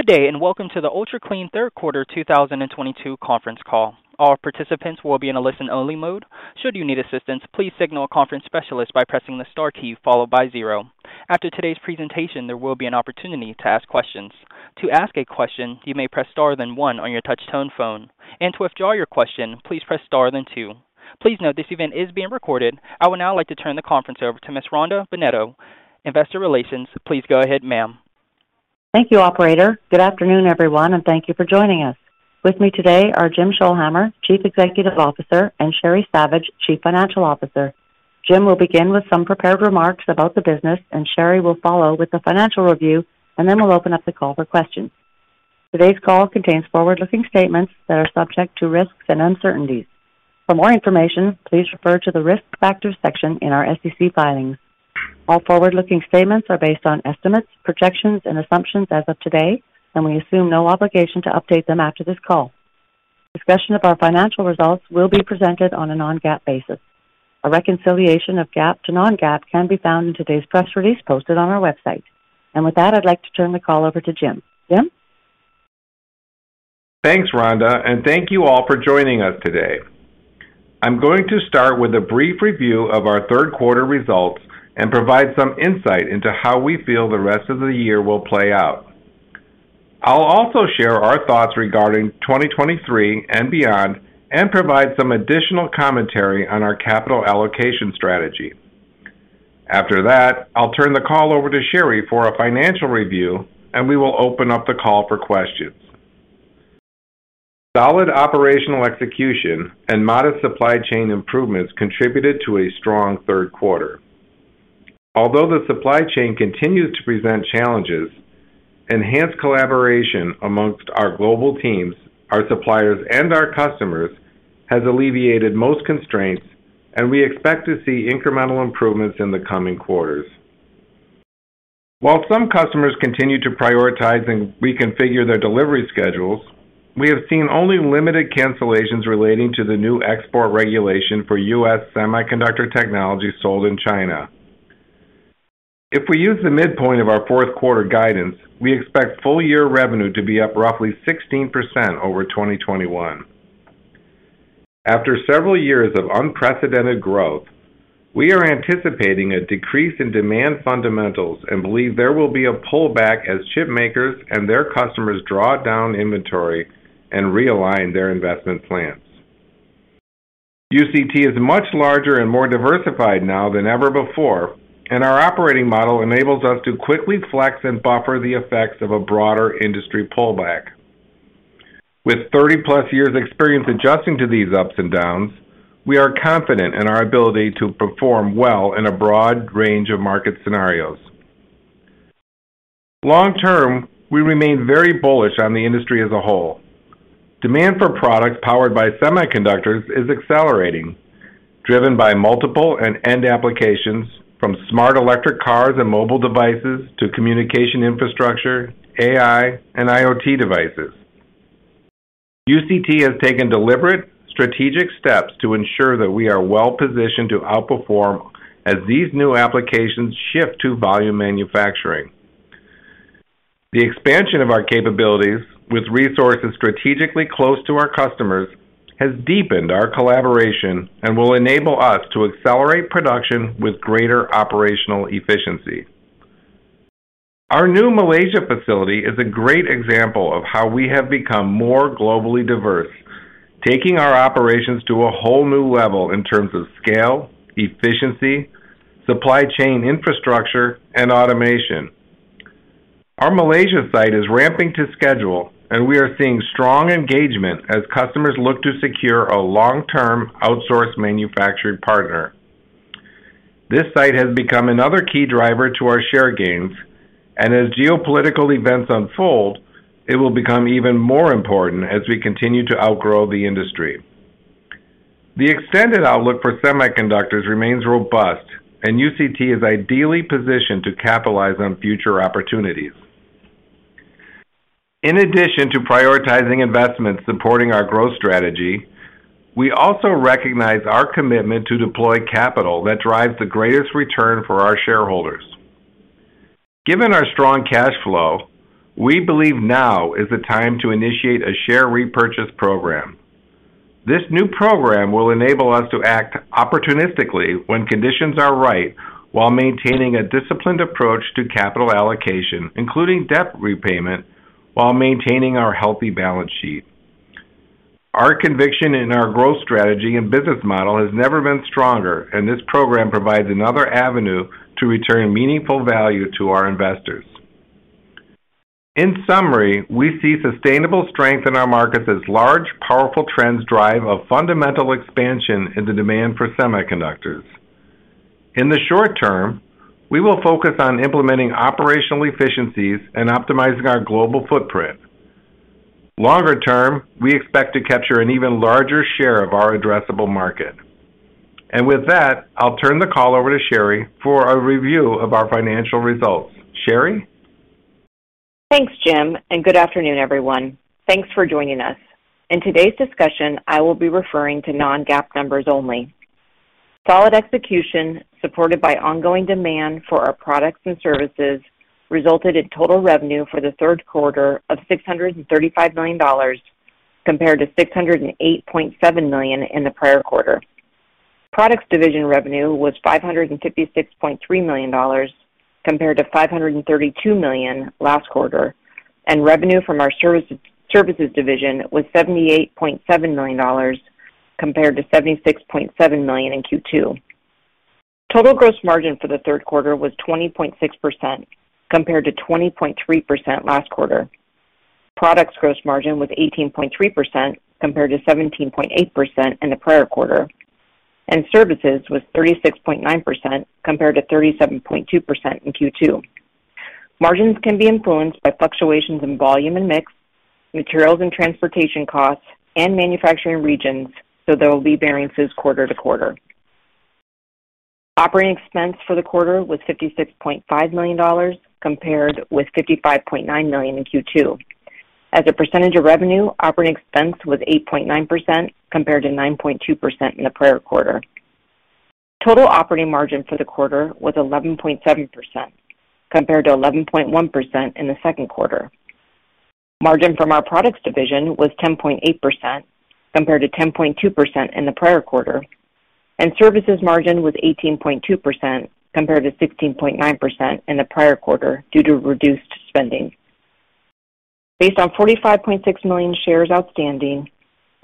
Good day, and welcome to the Ultra Clean third quarter 2022 conference call. All participants will be in a listen-only mode. Should you need assistance, please signal a conference specialist by pressing the star key followed by zero. After today's presentation, there will be an opportunity to ask questions. To ask a question, you may press star then one on your touch-tone phone. To withdraw your question, please press star then two. Please note this event is being recorded. I would now like to turn the conference over to Ms. Rhonda Bennetto, Investor Relations. Please go ahead, ma'am. Thank you, operator. Good afternoon, everyone, and thank you for joining us. With me today are Jim Scholhamer, Chief Executive Officer, and Sheri Savage, Chief Financial Officer. Jim will begin with some prepared remarks about the business and Sheri will follow with the financial review, and then we'll open up the call for questions. Today's call contains forward-looking statements that are subject to risks and uncertainties. For more information, please refer to the Risk Factors section in our SEC filings. All forward-looking statements are based on estimates, projections, and assumptions as of today, and we assume no obligation to update them after this call. Discussion of our financial results will be presented on a non-GAAP basis. A reconciliation of GAAP to non-GAAP can be found in today's press release posted on our website. With that, I'd like to turn the call over to Jim. Jim? Thanks, Rhonda, and thank you all for joining us today. I'm going to start with a brief review of our third quarter results and provide some insight into how we feel the rest of the year will play out. I'll also share our thoughts regarding 2023 and beyond and provide some additional commentary on our capital allocation strategy. After that, I'll turn the call over to Sheri for a financial review, and we will open up the call for questions Solid operational execution and modest supply chain improvements contributed to a strong third quarter. Although the supply chain continues to present challenges, enhanced collaboration amongst our global teams, our suppliers, and our customers has alleviated most constraints, and we expect to see incremental improvements in the coming quarters. While some customers continue to prioritize and reconfigure their delivery schedules, we have seen only limited cancellations relating to the new export regulation for US semiconductor technology sold in China. If we use the midpoint of our fourth quarter guidance, we expect full-year revenue to be up roughly 16% over 2021. After several years of unprecedented growth, we are anticipating a decrease in demand fundamentals and believe there will be a pullback as chip makers and their customers draw down inventory and realign their investment plans. UCT is much larger and more diversified now than ever before, and our operating model enables us to quickly flex and buffer the effects of a broader industry pullback. With 30+ years experience adjusting to these ups and downs, we are confident in our ability to perform well in a broad range of market scenarios. Long-term, we remain very bullish on the industry as a whole. Demand for products powered by semiconductors is accelerating, driven by multiple end applications from smart electric cars and mobile devices to communication infrastructure, AI, and IoT devices. UCT has taken deliberate, strategic steps to ensure that we are well-positioned to outperform as these new applications shift to volume manufacturing. The expansion of our capabilities with resources strategically close to our customers has deepened our collaboration and will enable us to accelerate production with greater operational efficiency. Our new Malaysia facility is a great example of how we have become more globally diverse, taking our operations to a whole new level in terms of scale, efficiency, supply chain infrastructure, and automation. Our Malaysia site is ramping to schedule, and we are seeing strong engagement as customers look to secure a long-term outsource manufacturing partner. This site has become another key driver to our share gains, and as geopolitical events unfold, it will become even more important as we continue to outgrow the industry. The extended outlook for semiconductors remains robust, and UCT is ideally positioned to capitalize on future opportunities. In addition to prioritizing investments supporting our growth strategy, we also recognize our commitment to deploy capital that drives the greatest return for our shareholders. Given our strong cash flow, we believe now is the time to initiate a share repurchase program. This new program will enable us to act opportunistically when conditions are right while maintaining a disciplined approach to capital allocation, including debt repayment, while maintaining our healthy balance sheet. Our conviction in our growth strategy and business model has never been stronger, and this program provides another avenue to return meaningful value to our investors. In summary, we see sustainable strength in our markets as large, powerful trends drive a fundamental expansion in the demand for semiconductors. In the short term, we will focus on implementing operational efficiencies and optimizing our global footprint. Longer term, we expect to capture an even larger share of our addressable market. With that, I'll turn the call over to Sheri for a review of our financial results. Sheri? Thanks, Jim, and good afternoon, everyone. Thanks for joining us. In today's discussion, I will be referring to non-GAAP numbers only. Solid execution supported by ongoing demand for our products and services resulted in total revenue for the third quarter of $635 million compared to $608.7 million in the prior quarter. Products division revenue was $556.3 million compared to $532 million last quarter, and revenue from our services division was $78.7 million compared to $76.7 million in Q2. Total gross margin for the third quarter was 20.6% compared to 20.3% last quarter. Products gross margin was 18.3% compared to 17.8% in the prior quarter, and services was 36.9% compared to 37.2% in Q2. Margins can be influenced by fluctuations in volume and mix, materials and transportation costs, and manufacturing regions, so there will be variances quarter to quarter. Operating expense for the quarter was $56.5 million compared with $55.9 million in Q2. As a percentage of revenue, operating expense was 8.9% compared to 9.2% in the prior quarter. Total operating margin for the quarter was 11.7% compared to 11.1% in the second quarter. Margin from our products division was 10.8% compared to 10.2% in the prior quarter, and services margin was 18.2% compared to 16.9% in the prior quarter due to reduced spending. Based on 45.6 million shares outstanding,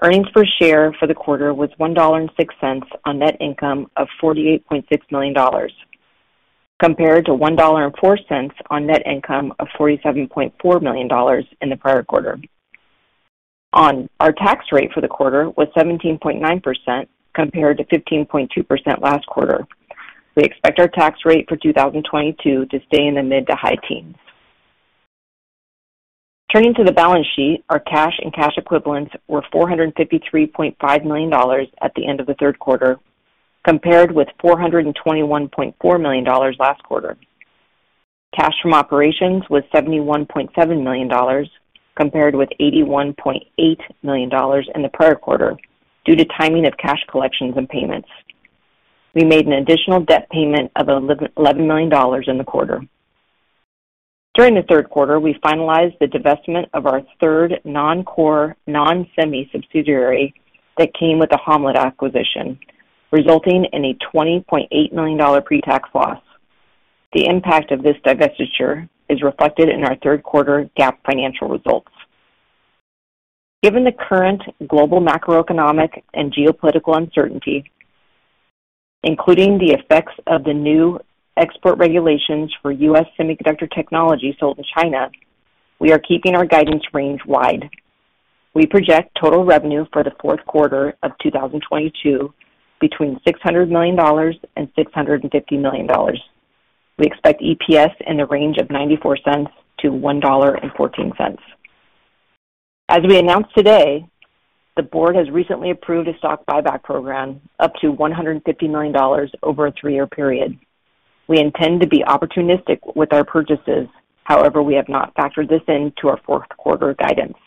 earnings per share for the quarter was $1.06 on net income of $48.6 million, compared to $1.04 on net income of $47.4 million in the prior quarter. Our tax rate for the quarter was 17.9% compared to 15.2% last quarter. We expect our tax rate for 2022 to stay in the mid to high teens. Turning to the balance sheet, our cash and cash equivalents were $453.5 million at the end of the third quarter, compared with $421.4 million last quarter. Cash from operations was $71.7 million compared with $81.8 million in the prior quarter due to timing of cash collections and payments. We made an additional debt payment of $11 million in the quarter. During the third quarter, we finalized the divestment of our third non-core, non-semi subsidiary that came with the Ham-Let acquisition, resulting in a $20.8 million pre-tax loss. The impact of this divestiture is reflected in our third quarter GAAP financial results. Given the current global macroeconomic and geopolitical uncertainty, including the effects of the new export regulations for US semiconductor technology sold to China, we are keeping our guidance range wide. We project total revenue for the fourth quarter of 2022 between $600 million and $650 million. We expect EPS in the range of $0.94-$1.14. As we announced today, the board has recently approved a stock buyback program up to $150 million over a three-year period. We intend to be opportunistic with our purchases. However, we have not factored this into our fourth quarter guidance.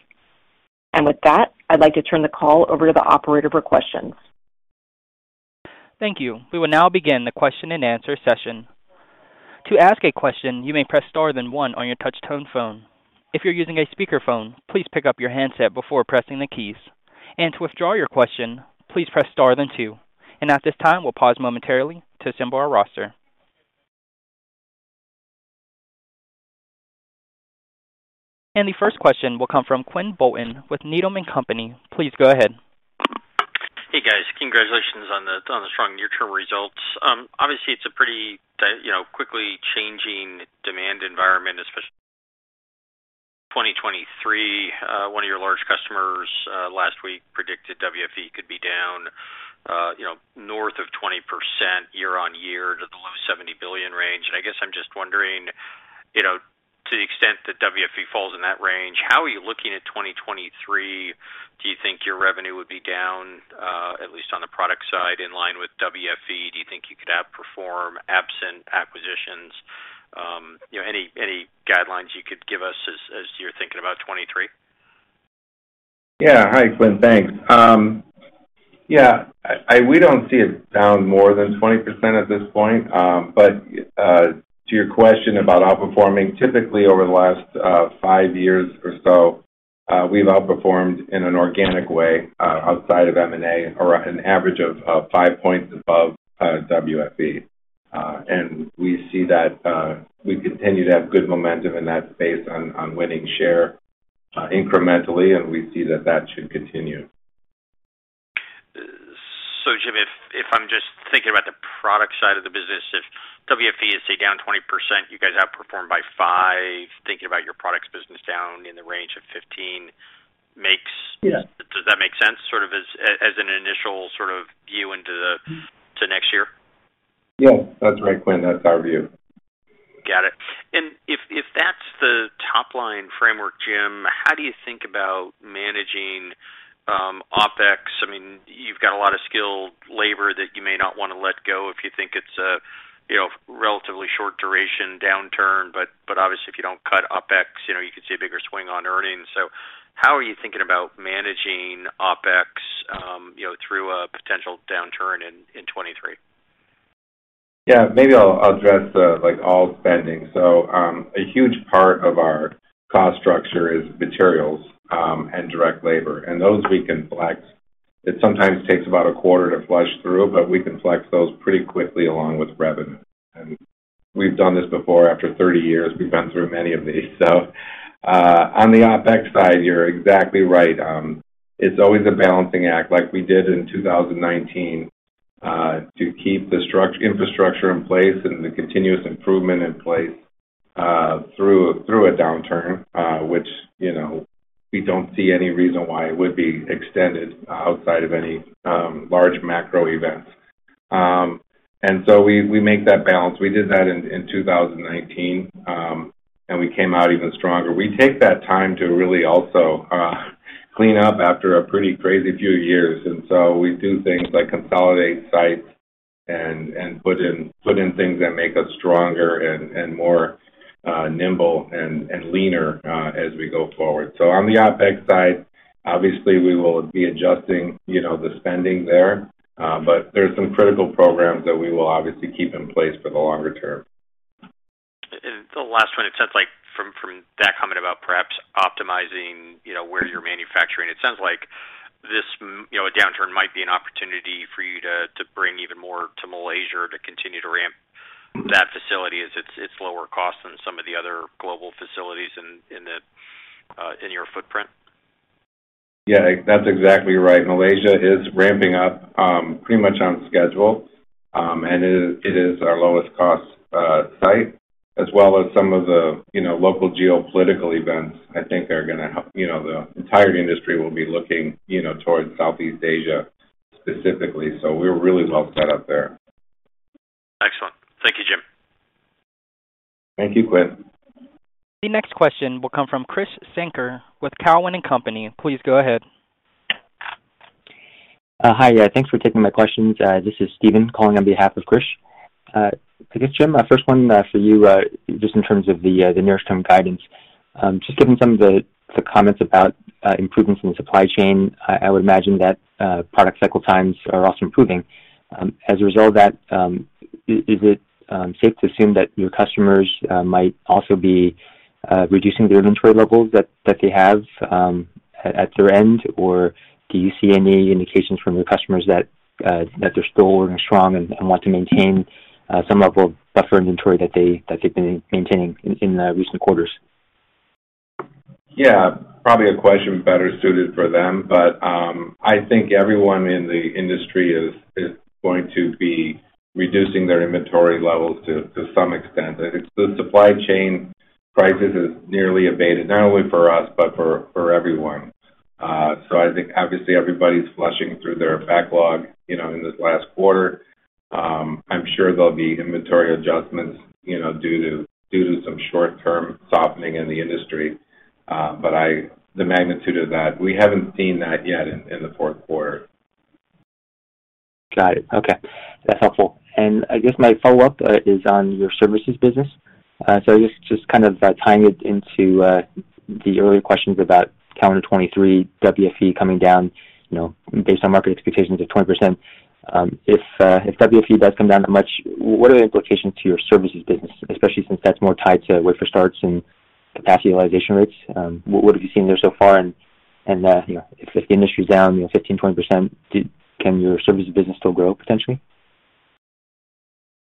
With that, I'd like to turn the call over to the operator for questions. Thank you. We will now begin the question-and-answer session. To ask a question, you may press star then one on your touch tone phone. If you're using a speakerphone, please pick up your handset before pressing the keys. To withdraw your question, please press star then two. At this time, we'll pause momentarily to assemble our roster. The first question will come from Quinn Bolton with Needham & Company. Please go ahead. Hey, guys. Congratulations on the strong near-term results. Obviously, it's a pretty, you know, quickly changing demand environment, especially 2023. One of your large customers last week predicted WFE could be down, you know, north of 20% year-on-year to the low $70 billion range. I guess I'm just wondering, you know, to the extent that WFE falls in that range, how are you looking at 2023? Do you think your revenue would be down, at least on the product side, in line with WFE? Do you think you could outperform absent acquisitions? You know, any guidelines you could give us as you're thinking about 2023? Yeah. Hi, Quinn. Thanks. We don't see it down more than 20% at this point. To your question about outperforming, typically over the last five years or so, we've outperformed in an organic way, outside of M&A, on an average of five points above WFE. We see that we continue to have good momentum in that space on winning share incrementally, and we see that should continue. Jim, if I'm just thinking about the product side of the business, if WFE is, say, down 20%, you guys outperformed by 5%, thinking about your products business down in the range of 15% makes- Yeah. Does that make sense sort of as an initial sort of view to next year? Yes. That's right, Quinn. That's our view. Got it. If that's the top line framework, Jim, how do you think about managing OpEx? I mean, you've got a lot of skilled labor that you may not wanna let go if you think it's a you know, relatively short duration downturn, but obviously, if you don't cut OpEx, you know, you could see a bigger swing on earnings. How are you thinking about managing OpEx through a potential downturn in 2023? Yeah. Maybe I'll address the like all spending. A huge part of our cost structure is materials and direct labor, and those we can flex. It sometimes takes about a quarter to flush through, but we can flex those pretty quickly along with revenue. We've done this before. After 30 years, we've been through many of these. On the OpEx side, you're exactly right. It's always a balancing act like we did in 2019 to keep the infrastructure in place and the continuous improvement in place through a downturn, which you know we don't see any reason why it would be extended outside of any large macro events. We make that balance. We did that in 2019 and we came out even stronger. We take that time to really also clean up after a pretty crazy few years. We do things like consolidate sites and put in things that make us stronger and more nimble and leaner as we go forward. On the OpEx side, obviously, we will be adjusting, you know, the spending there. There's some critical programs that we will obviously keep in place for the longer term. The last one, it sounds like from that comment about perhaps optimizing, you know, where you're manufacturing, it sounds like this, you know, a downturn might be an opportunity for you to bring even more to Malaysia to continue to ramp that facility as it's lower cost than some of the other global facilities in your footprint. Yeah, that's exactly right. Malaysia is ramping up pretty much on schedule. It is our lowest cost site as well as some of the, you know, local geopolitical events. I think they're gonna help. You know, the entire industry will be looking, you know, towards Southeast Asia specifically. We're really well set up there. Excellent. Thank you, Jim. Thank you, Quinn. The next question will come from Krish Sankar with Cowen and Company. Please go ahead. Hi. Thanks for taking my questions. This is Steven calling on behalf of Krish. I guess, Jim, my first one, for you, just in terms of the near-term guidance. Just given some of the comments about improvements in the supply chain, I would imagine that product cycle times are also improving. As a result of that, is it safe to assume that your customers might also be reducing their inventory levels that they have at their end? Or do you see any indications from your customers that they're still running strong and want to maintain some level of buffer inventory that they've been maintaining in the recent quarters? Yeah. Probably a question better suited for them, but I think everyone in the industry is going to be reducing their inventory levels to some extent. The supply chain crisis is nearly abated, not only for us, but for everyone. I think obviously everybody's flushing through their backlog, you know, in this last quarter. I'm sure there'll be inventory adjustments, you know, due to some short-term softening in the industry. The magnitude of that, we haven't seen that yet in the fourth quarter. Got it. Okay. That's helpful. I guess my follow-up is on your services business. So just kind of tying it into the earlier questions about calendar 2023, WFE coming down, you know, based on market expectations of 20%. If WFE does come down that much, what are the implications to your services business, especially since that's more tied to wafer starts and capacity realization rates? What have you seen there so far? You know, if the industry is down, you know, 15%-20%, can your services business still grow potentially?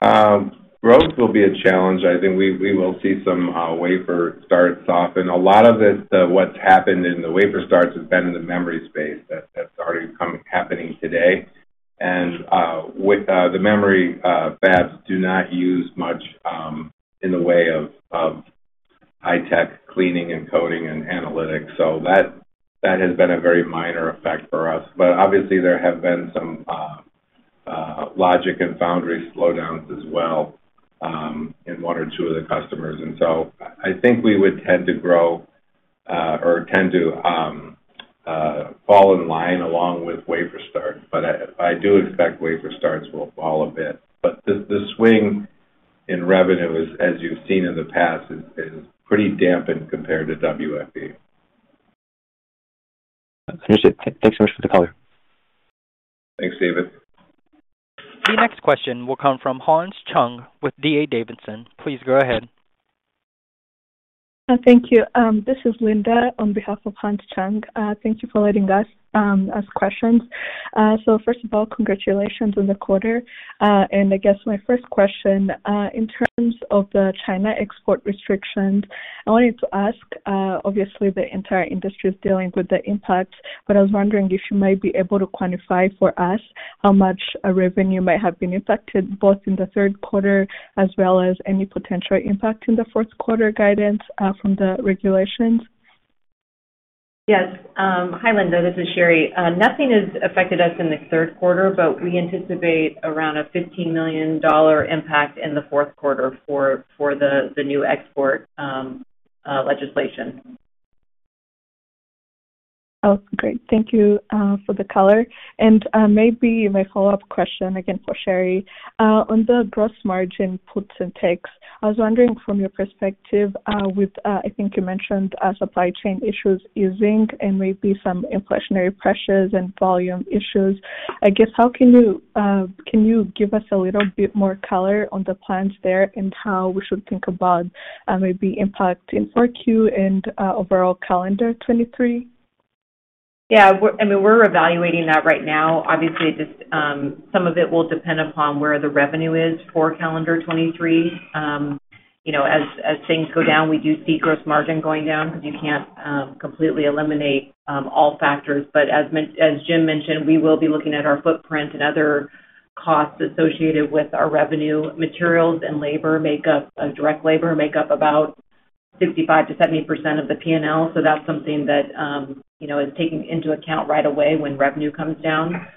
Growth will be a challenge. I think we will see some wafer starts off. A lot of it, what's happened in the wafer starts has been in the memory space that's already happening today. With the memory, fabs do not use much in the way of high tech cleaning and coating and analytics. That has been a very minor effect for us. Obviously, there have been some logic and foundry slowdowns as well in one or two of the customers. I think we would tend to grow or tend to fall in line along with wafer starts. I do expect wafer starts will fall a bit. The swing in revenue is, as you've seen in the past, pretty dampened compared to WFE. Appreciate it. Thanks so much for the color. Thanks, Steven. The next question will come from Hans Chung with D.A. Davidson. Please go ahead. Thank you. This is Linda on behalf of Hans Chung. Thank you for letting us ask questions. First of all, congratulations on the quarter. I guess my first question, in terms of the China export restrictions, I wanted to ask, obviously, the entire industry is dealing with the impact, but I was wondering if you might be able to quantify for us how much revenue might have been affected, both in the third quarter as well as any potential impact in the fourth quarter guidance, from the regulations. Yes. Hi, Linda. This is Sheri. Nothing has affected us in the third quarter, but we anticipate around a $15 million impact in the fourth quarter for the new export legislation. Oh, great. Thank you for the color. Maybe my follow-up question, again for Sheri. On the gross margin puts and takes, I was wondering from your perspective, with, I think you mentioned, supply chain issues easing and maybe some inflationary pressures and volume issues. Can you give us a little bit more color on the plans there and how we should think about, maybe impact in Q4 and, overall calendar 2023? Yeah. We're evaluating that right now. I mean, we're evaluating that right now. Obviously, this, some of it will depend upon where the revenue is for calendar 2023. You know, as things go down, we do see gross margin going down because you can't completely eliminate all factors. As Jim mentioned, we will be looking at our footprint and other costs associated with our revenue. Materials and direct labor make up about 55%-70% of the P&L. That's something that you know is taken into account right away when revenue comes down.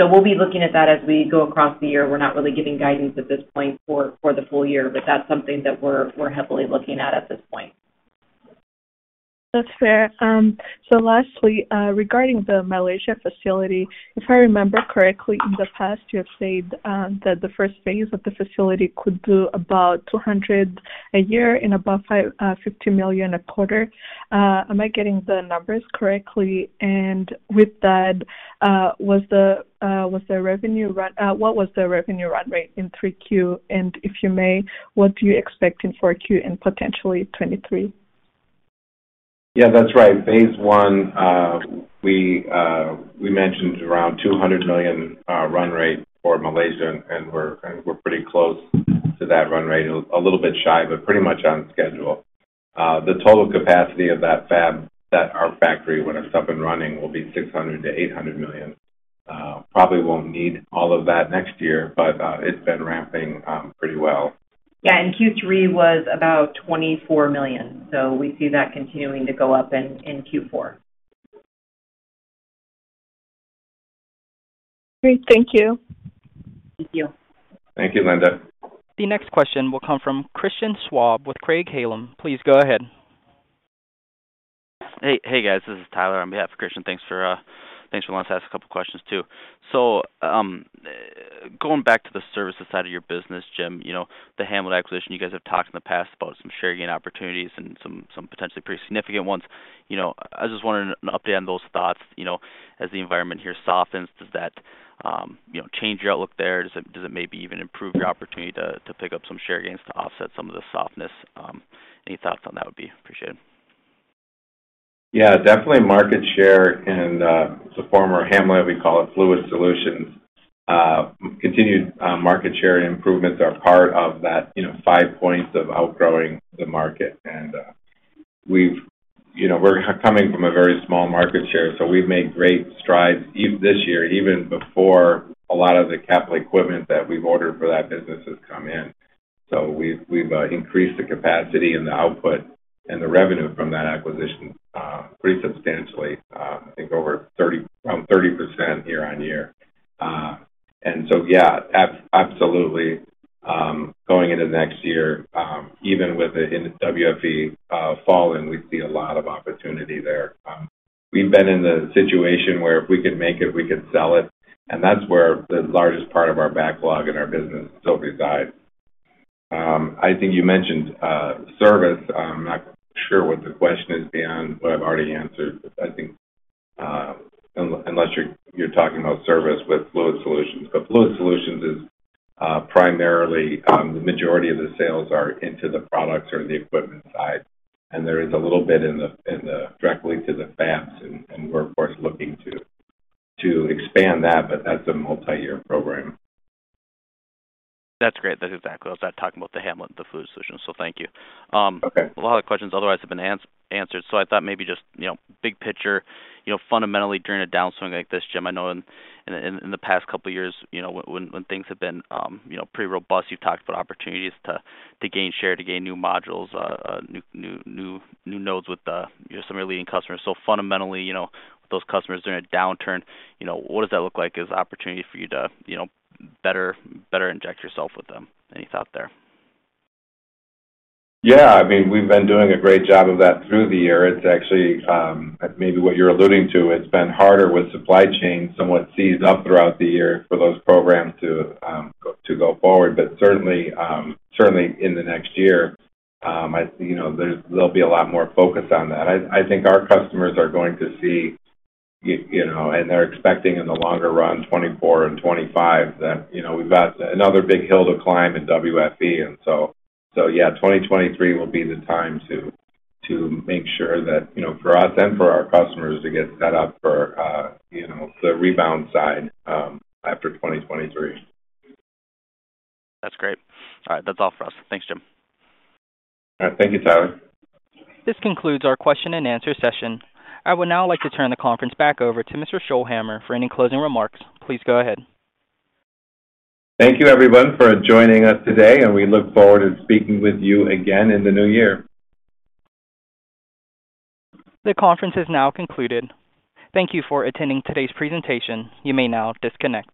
We'll be looking at that as we go across the year. We're not really giving guidance at this point for the full-year, but that's something that we're heavily looking at at this point. That's fair. Lastly, regarding the Malaysia facility, if I remember correctly, in the past, you have said that the first phase of the facility could do about $200 million a year and above $50 million a quarter. Am I getting the numbers correctly? With that, what was the revenue run rate in Q3? If you may, what do you expect in Q4 and potentially 2023? Yeah, that's right. Phase one, we mentioned around $200 million run rate for Malaysia, and we're pretty close to that run rate. A little bit shy, but pretty much on schedule. The total capacity of that fab, that our factory when it's up and running, will be $600 million-$800 million. Probably won't need all of that next year, but it's been ramping pretty well. Yeah, Q3 was about $24 million. We see that continuing to go up in Q4. Great. Thank you. Thank you. Thank you, Linda. The next question will come from Christian Schwab with Craig-Hallum. Please go ahead. Hey. Hey, guys, this is Tyler on behalf of Christian. Thanks for letting us ask a couple of questions too. Going back to the services side of your business, Jim, you know, the Ham-Let acquisition, you guys have talked in the past about some share gain opportunities and some potentially pretty significant ones. You know, I just wanted an update on those thoughts, you know, as the environment here softens, does that change your outlook there? Does it maybe even improve your opportunity to pick up some share gains to offset some of the softness? Any thoughts on that would be appreciated. Yeah, definitely market share and the former Ham-Let, we call it Fluid Solutions, continued market share improvements are part of that, you know, 5 points of outgrowing the market. You know, we're coming from a very small market share, so we've made great strides this year, even before a lot of the capital equipment that we've ordered for that business has come in. We've increased the capacity and the output and the revenue from that acquisition pretty substantially, I think over 30, around 30% year-over-year. Absolutely, going into next year, even with the WFE falling, we see a lot of opportunity there. We've been in the situation where if we could make it, we could sell it, and that's where the largest part of our backlog in our business still resides. I think you mentioned service. I'm not sure what the question is beyond what I've already answered. I think unless you're talking about service with Fluid Solutions. But Fluid Solutions is primarily the majority of the sales are into the products or the equipment side, and there is a little bit in the directly to the fabs, and we're of course looking to expand that, but that's a multi-year program. That's great. That's exactly what I was talking about, the Ham-Let, the Fluid Solutions, so thank you. Okay. A lot of the questions otherwise have been answered, so I thought maybe just, you know, big picture, you know, fundamentally during a downswing like this, Jim, I know in the past couple of years, you know, when things have been, you know, pretty robust, you've talked about opportunities to gain share, to gain new modules, new nodes with, you know, some of your leading customers. So fundamentally, you know, those customers during a downturn, you know, what does that look like as opportunity for you to, you know, better inject yourself with them? Any thought there? Yeah. I mean, we've been doing a great job of that through the year. It's actually maybe what you're alluding to. It's been harder with supply chain somewhat seized up throughout the year for those programs to go forward. Certainly in the next year, you know, there'll be a lot more focus on that. I think our customers are going to see, you know, and they're expecting in the longer run, 2024 and 2025, that, you know, we've got another big hill to climb in WFE. Yeah, 2023 will be the time to make sure that, you know, for us and for our customers to get set up for, you know, the rebound side after 2023. That's great. All right. That's all for us. Thanks, Jim. All right. Thank you, Tyler. This concludes our question and answer session. I would now like to turn the conference back over to Mr. Scholhamer for any closing remarks. Please go ahead. Thank you, everyone, for joining us today, and we look forward to speaking with you again in the new year. The conference is now concluded. Thank you for attending today's presentation. You may now disconnect.